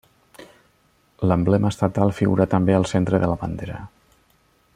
L'emblema estatal figura també al centre de la bandera.